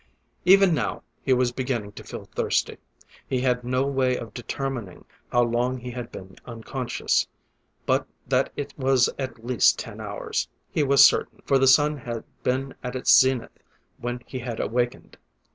Even now he was beginning to feel thirsty. He had no way of determining how long he had been unconscious, but that it was at least ten hours, he was certain, for the sun had been at its zenith when he had awakened.